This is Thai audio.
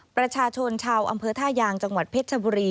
ประชาชนชาวอำเภอท่ายางจังหวัดเพชรชบุรี